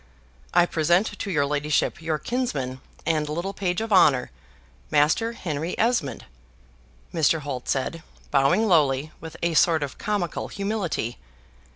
"I present to your ladyship your kinsman and little page of honor, Master Henry Esmond," Mr. Holt said, bowing lowly, with a sort of comical humility.